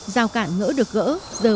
giao cản ngỡ được gỡ